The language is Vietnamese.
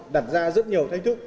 đặt ra rất nhiều thách thức